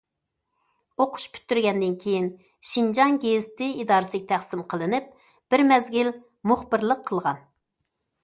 ئوقۇش پۈتتۈرگەندىن كېيىن،‹‹ شىنجاڭ گېزىتى›› ئىدارىسىگە تەقسىم قىلىنىپ، بىر مەزگىل مۇخبىرلىق قىلغان.